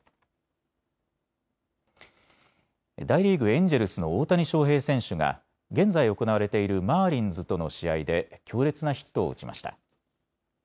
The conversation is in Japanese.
大リーグ、エンジェルスの大谷翔平選手が現在、行われているマーリンズとの試合で強烈なヒットを打ちました。